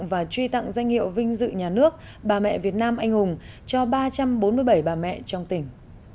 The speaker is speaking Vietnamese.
và truy tặng danh hiệu vinh dự nhà nước bà mẹ việt nam anh hùng cho ba trăm bốn mươi bảy bà mẹ trong tỉnh